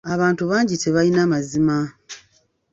Abantu bangi tebalina mazima.